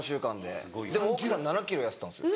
でも奥さん７ｋｇ痩せたんですよ。